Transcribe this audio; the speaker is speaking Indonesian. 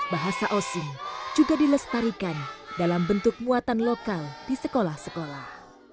bahasa osing juga dilestarikan dalam bentuk muatan lokal di sekolah sekolah